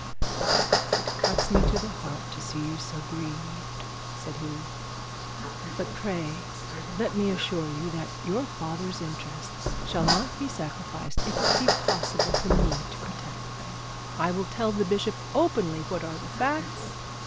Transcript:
'It cuts me to the heart to see you so grieved,' said he. 'But pray let me assure you that your father's interests shall not be sacrificed if it be possible for me to protect them. I will tell the bishop openly what are the facts.